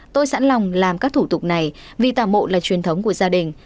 tôi sẵn lòng làm các thủ tục này vì tà mộ là truyền thống của gia đình